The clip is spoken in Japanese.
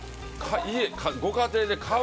ご家庭で買う？